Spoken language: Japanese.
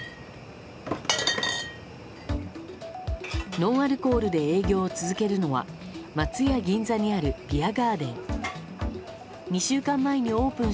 ノンアルコールで営業を続けるのは松屋銀座にあるビアガーデン。